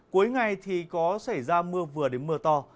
cuối ngày thì có xảy ra mưa vừa đến mưa to